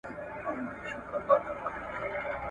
قزلباش سرتېري له جګړې وتښتېدل.